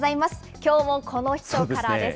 きょうもこの人からです。